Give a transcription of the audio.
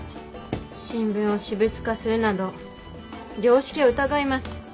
新聞を私物化するなど良識を疑います。